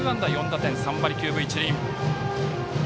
４打点３割９分１厘。